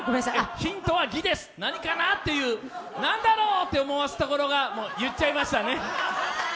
ヒントは「ギ」です、何だろうって思わせるところが、もう言っちゃいましたね。